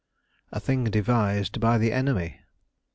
"A thing devised by the enemy."